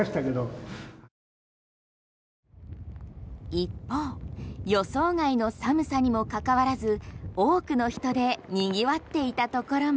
一方予想外の寒さにもかかわらず多くの人で賑わっていたところも。